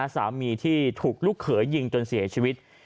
สามีที่ถูกลูกเขยยิงจนเสียชีวิต